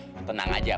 nah tenang aja